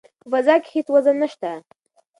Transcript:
په فضا کې هیڅ وزن نشته.